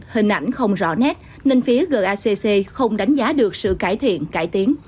hình ảnh không rõ nét nên phía gacc không đánh giá được sự cải thiện cải tiến